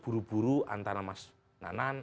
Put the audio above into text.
buru buru antara mas nanan